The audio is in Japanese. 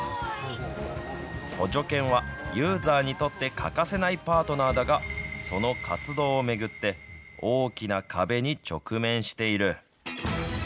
補助犬はユーザーにとって欠かせないパートナーだが、その活動を巡って大きな壁に直面している。